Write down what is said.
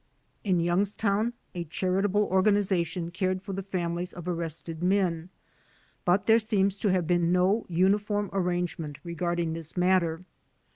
In Yotmgstown a charitable organization cared for the families of arrested men, but there seems to have been no uniform arrangement regarding this matter.